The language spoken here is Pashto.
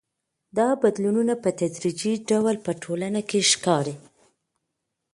دا بدلونونه په تدريجي ډول په ټولنه کي ښکاري.